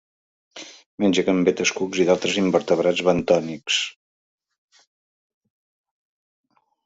Menja gambetes, cucs i d'altres invertebrats bentònics.